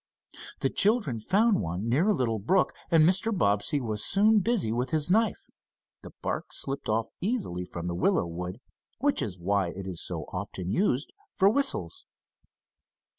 The children found one, near a little brook, and Mr. Bobbsey was soon busy with his knife. The bark slipped off easily from the willow wood, which is why it is so often used for whistles.